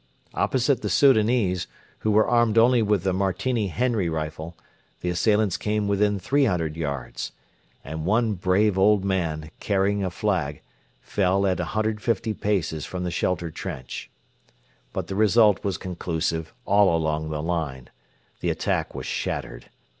Opposite the Soudanese, who were armed only with the Martini Henry rifle, the assailants came within 300 yards; and one brave old man, carrying a flag, fell at 150 paces from the shelter trench. But the result was conclusive all along the line. The attack was shattered.